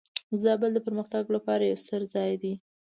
زابل د پرمختګ لپاره یو ستر ځای دی.